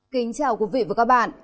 kính chào quý vị và các bạn